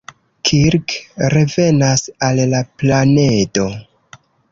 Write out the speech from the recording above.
Kirk revenas al la planedo.